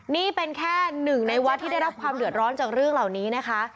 นี่เป็นแค่หนึ่งในวัดที่ได้รับความเดือดร้อนจากเรื่องเหล่านี้นะคะ